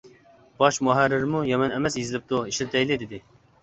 باش مۇھەررىرمۇ يامان ئەمەس يېزىلىپتۇ، ئىشلىتەيلى، دېدى.